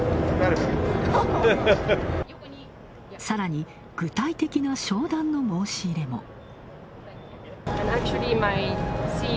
さらに、具体的な商談の申し入れも。